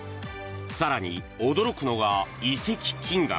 更に、驚くのが移籍金額。